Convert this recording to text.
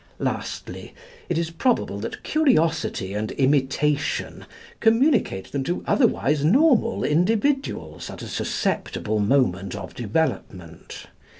Lastly, it is probable that curiosity and imitation communicate them to otherwise normal individuals at a susceptible moment of development.